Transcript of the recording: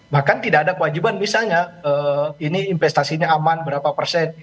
bahkan tidak ada kewajiban misalnya ini investasinya aman berapa persen